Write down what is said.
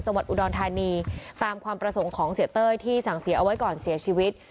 จังหวัดอุดรธานีตามความประสงค์ของเสียเต้ยที่สั่งเสียเอาไว้ก่อนเสียชีวิต